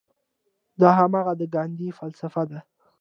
دا هماغه د ګاندي فلسفه ده.